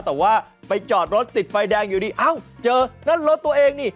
แต่ว่าไปจอดรถติดไฟแดงอยู่ดีเอ้าเจอนั่นรถตัวเองนี่